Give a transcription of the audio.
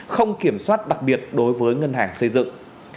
không kiểm soát đặc biệt đối với ngân hàng xây dựng